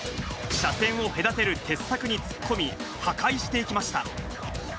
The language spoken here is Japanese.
車線を隔てる鉄柵に突っ込み、破壊していきました。